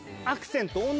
アクセント。